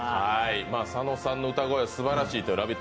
佐野さんの歌声すばらしいと「ラヴィット！」